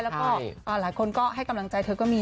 แล้วก็หลายคนก็ให้กำลังใจเธอก็มี